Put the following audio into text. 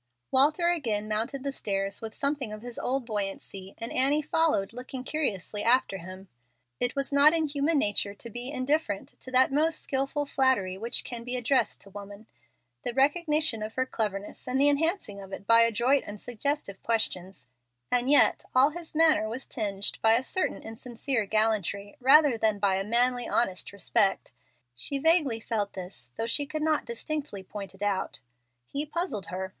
Walter again mounted the stairs with something of his old buoyancy, and Annie followed, looking curiously after him. It was not in human nature to be indifferent to that most skilful flattery which can be addressed to woman the recognition of her cleverness, and the enhancing of it by adroit and suggestive questions and yet all his manner was tinged by a certain insincere gallantry, rather than by a manly, honest respect. She vaguely felt this, though she could not distinctly point it out. He puzzled her.